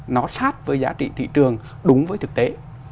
nó sát với giá trị thị trường đúng với thực tế